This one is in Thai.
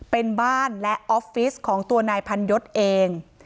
เป็นบ้านและออฟฟิศของตัวนายพันยศเอง